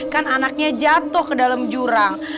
kan anaknya jatuh ke dalam jurang